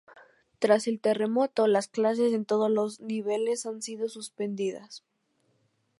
Tras el terremoto, las clases en todos los niveles han sido suspendidas.